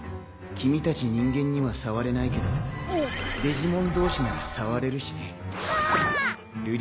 君たち人間には触れないけどデジモン同士なら触れるしね。